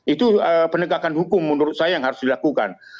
itu penegakan hukum menurut saya yang harus dilakukan